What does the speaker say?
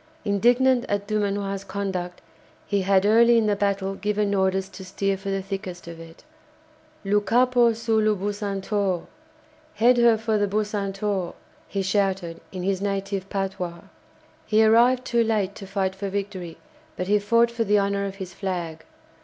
Indignant at Dumanoir's conduct, he had early in the battle given orders to steer for the thickest of it. "Lou capo sur lou 'Bucentaure'!" ("Head her for the 'Bucentaure'!") he shouted in his native patois. He arrived too late to fight for victory, but he fought for the honour of his flag.